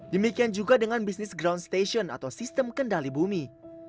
demikian juga dengan bisnis ground station atau sistem kendali bumi